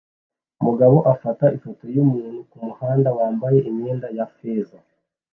Umugabo afata ifoto yumuntu kumuhanda wambaye imyenda ya feza